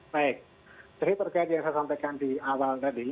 baik jadi terkait yang saya sampaikan di awal tadi